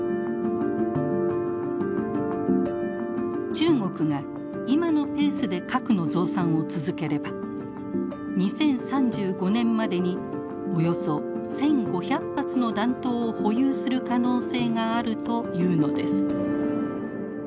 中国が今のペースで核の増産を続ければ２０３５年までにおよそ１，５００発の弾頭を保有する可能性があるというのです。